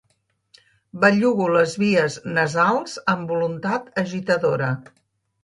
Bellugo les vies nasals amb voluntat agitadora.